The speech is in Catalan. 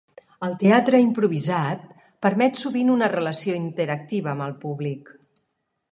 El teatre improvisat permet sovint una relació interactiva amb el públic.